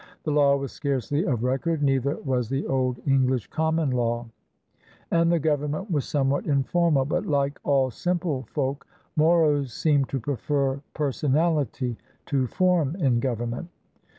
The law was scarcely of record, — neither was the old English Common Law, — and the govern ment was somewhat informal; but, like all simple folk, Moros seemed to prefer personaKty to form in govern ment.